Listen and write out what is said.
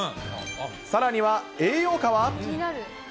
さらには栄養価は。